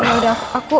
ya udah aku